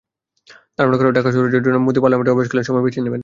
ধারণা করা হয়, ঢাকা সফরের জন্য মোদি পার্লামেন্টের অবকাশকালীন সময় বেছে নেবেন।